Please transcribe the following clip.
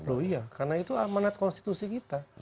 loh iya karena itu amanat konstitusi kita